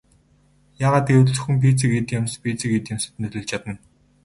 Яагаад гэвэл зөвхөн физик эд юмс физик эд юмсад нөлөөлж чадна.